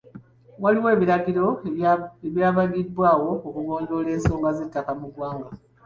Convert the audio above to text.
Waliwo ebiragiro ebyabagibwawo okugonjoola ensonga z'ettaka mu ggwanga.